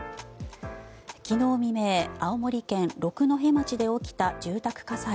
昨日未明青森県六戸町で起きた住宅火災。